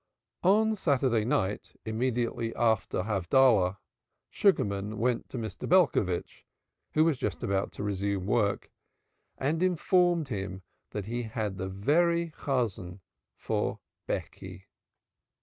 On Saturday night immediately after Havdalah, Sugarman went to Mr. Belcovitch, who was just about to resume work, and informed him he had the very Chosan for Becky.